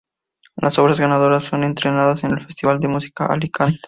Las obras ganadoras son estrenadas en el Festival de Música de Alicante.